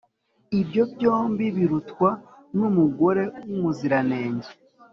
ibyo byombi birutwa n’umugore w’umuziranenge.